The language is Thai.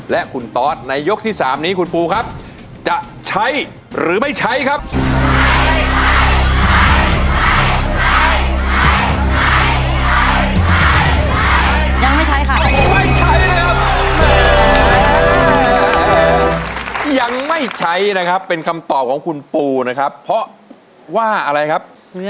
และคุณตอสในยกที่๓นี้คุณปูครับจะใช้หรือไม่ใช้ครับ